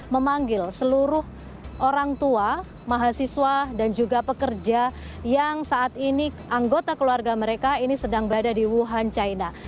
memanggil seluruh orang tua mahasiswa dan juga pekerja yang saat ini anggota keluarga mereka ini sedang berada di wuhan china